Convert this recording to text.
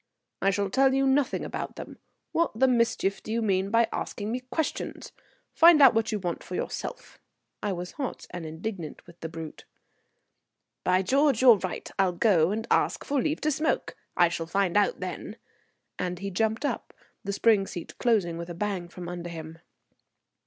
"I shall tell you nothing about them. What the mischief do you mean by asking me questions? Find out what you want for yourself." I was hot and indignant with the brute. "By George, you're right. I'll go and ask for leave to smoke. I shall find out then," and he jumped up, the spring seat closing with a bang from under him.